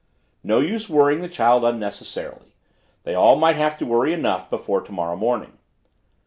No use worrying the child unnecessarily; they all might have to worry enough before tomorrow morning.